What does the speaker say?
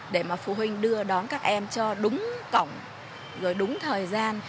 để mà phụ huynh đưa đón các em cho đúng cổng rồi đúng thời gian